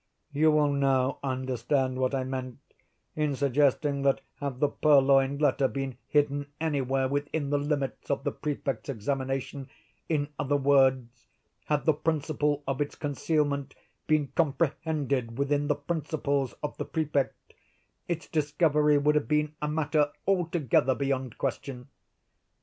You will now understand what I meant in suggesting that, had the purloined letter been hidden any where within the limits of the Prefect's examination—in other words, had the principle of its concealment been comprehended within the principles of the Prefect—its discovery would have been a matter altogether beyond question.